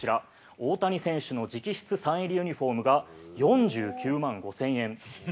大谷選手の直筆サイン入りユニホームが４９万５０００円。